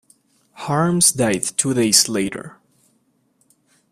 Harms died two days later.